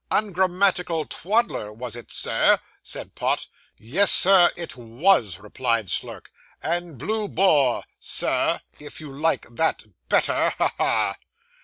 'Ungrammatical twaddler, was it, sir?' said Pott. 'Yes, sir, it was,' replied Slurk; 'and blue bore, Sir, if you like that better; ha! ha!